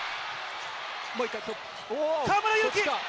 河村勇輝。